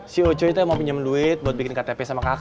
si ucuy tuh mau pinjem duit buat bikin ktp sama kakak